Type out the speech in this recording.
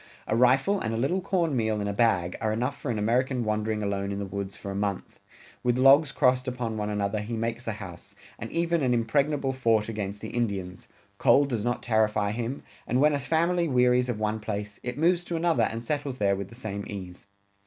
A rifle and a little corn meal in a bag are enough for an American wandering alone in the woods for a month. ... With logs crossed upon one another he makes a house, and even an impregnable fort against the Indians. ... Cold does not terrify him, and when a family wearies of one place, it moves to another and settles there with the same ease.